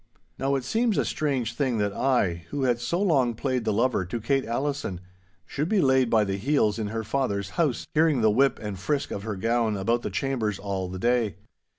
Now it seems a strange thing that I, who had so long played the lover to Kate Allison, should be laid by the heels in her father's house, hearing the whip and frisk of her gown about the chambers all the day.